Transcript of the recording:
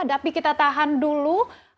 tapi kita tahan dulu